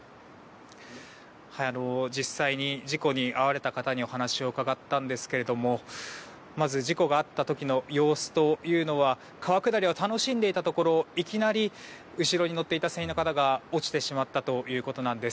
実際に事故に遭われた方にお話を伺ったんですがまず事故があった時の様子というのは川下りを楽しんでいたところいきなり後ろに乗っていた船員の方が落ちてしまったということなんです。